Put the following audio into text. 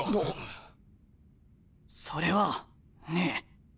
それはねえ。